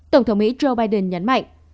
tổng thống mỹ joe biden nhấn mạnh